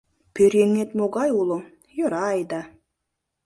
Пӧръеҥет могай уло — йӧра айда.